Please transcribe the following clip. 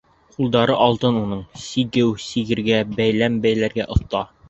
Ҡулдары алтын уның: сигеү сигергә, бәйләм бәйләргә оҫта.